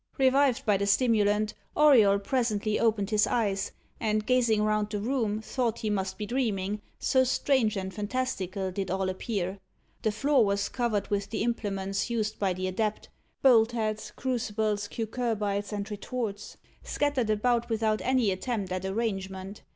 Revived by the stimulant, Auriol presently opened his eyes, and gazing round the room, thought he must be dreaming, so strange and fantastical did all appear. The floor was covered with the implements used by the adept bolt heads, crucibles, cucurbites, and retorts, scattered about without any attempt at arrangement.